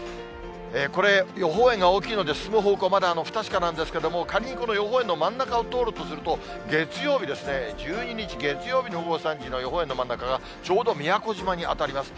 これ、予報円が大きいので進む方向は、まだ不確かなんですけれども、仮にこの予報円の真ん中を通るとすると、月曜日、１２日月曜日の午後３時の予報円の真ん中が、ちょうど宮古島に当たります。